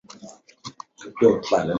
尤以法国敦煌学着称。